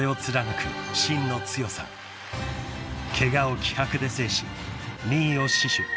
［ケガを気迫で制し２位を死守］